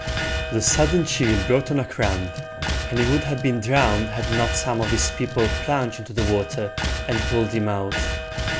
The sudden chill brought on a cramp, and he would have been drowned had not some of his people plunged into the water, and pulled him out.